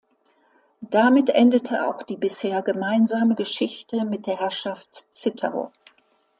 Damit endete auch die bisher gemeinsame Geschichte mit der Herrschaft Zittau.